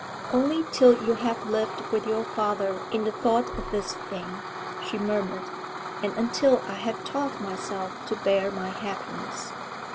'Only till you have lived with your father in the thought of this thing,' she murmured, 'and until I have taught myself to bear my happiness.